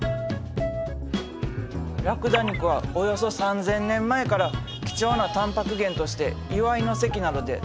ラクダ肉はおよそ３，０００年前から貴重なたんぱく源として祝いの席などで食べられてきたんや。